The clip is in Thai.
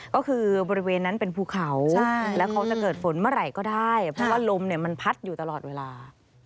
ก็คือบริเวณนั้นเป็นภูเขาแล้วเขาจะเกิดฝนเมื่อไหร่ก็ได้เพราะว่าลมเนี่ยมันพัดอยู่ตลอดเวลา